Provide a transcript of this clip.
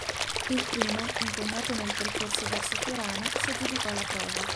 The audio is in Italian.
Il primo, impegnato nel percorso verso Fiorano, si aggiudicò la prova.